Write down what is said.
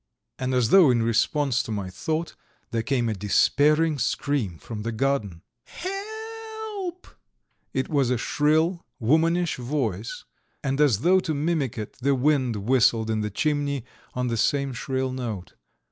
And as though in response to my thought, there came a despairing scream from the garden. "He e elp!" It was a shrill, womanish voice, and as though to mimic it the wind whistled in the chimney on the same shrill note.